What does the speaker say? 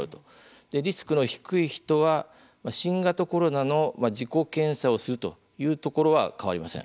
リスクの低い人は新型コロナの自己検査をするというところは変わりません。